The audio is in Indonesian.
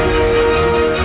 masih sama ya